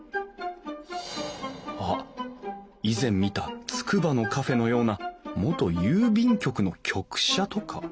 あっ以前見たつくばのカフェのような元郵便局の局舎とか？